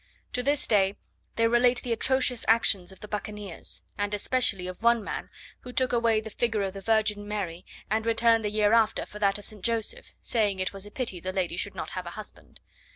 To this day they relate the atrocious actions of the bucaniers; and especially of one man, who took away the figure of the Virgin Mary, and returned the year after for that of St. Joseph, saying it was a pity the lady should not have a husband.